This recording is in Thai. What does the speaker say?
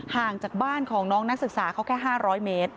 ห่างจากบ้านของน้องนักศึกษาเขาแค่๕๐๐เมตร